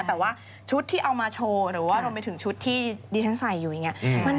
แต่ว่าชุดที่เอามาโชว์หรือว่ารวมไปถึงชุดที่ดิฉันใส่อยู่อย่างนี้